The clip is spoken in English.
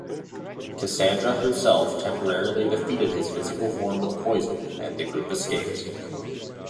Cassandra herself temporarily defeated his physical form with poison, and the group escaped.